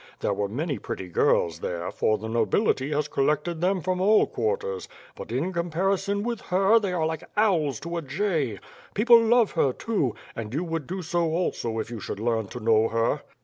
There were many pretty girls there, for the nobility has col lected there from all quarters; but in comparison with her they are like owls to a jay. People love her, too, and you would do so also if you should learn to know her."